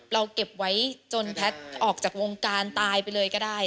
เก็บไว้จนแพทย์ออกจากวงการตายไปเลยก็ได้